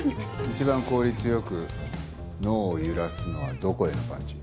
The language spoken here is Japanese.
一番効率良く脳を揺らすのはどこへのパンチ？